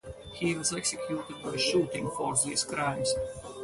He was executed by shooting for these crimes.